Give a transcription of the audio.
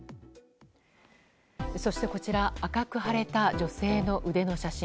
そして、こちら赤く腫れた女性の腕の写真。